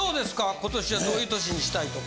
今年はどういう年にしたいとか。